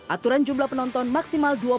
aturan jumlah penonton maksimal